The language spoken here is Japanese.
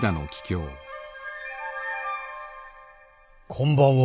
こんばんは。